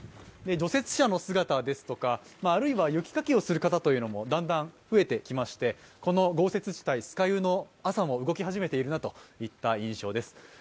除雪車の姿ですかと、あるいは雪かきをする方もだんだん増えてきましてこの豪雪地帯・酸ヶ湯の朝も動き始めているなといった印象です。